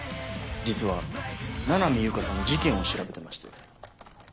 実は七海悠香さんの事件を調べてまして。